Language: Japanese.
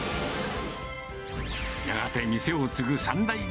やがて店を継ぐ３代目。